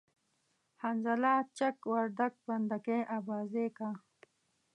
حنظله چک وردگ بند کی آبازی کا